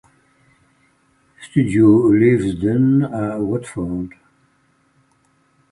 Studios Leavesden à Watford.